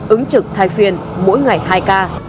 ứng trực thai phiền mỗi ngày hai ca